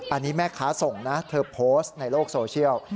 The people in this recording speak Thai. อันนี้แม่ค้าส่งนะเธอโพสต์ในโลกโซเชียล